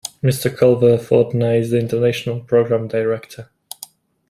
Mr. Culver Fortna is the International Program Director.